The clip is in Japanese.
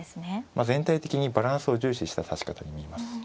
全体的にバランスを重視した指し方に見えます。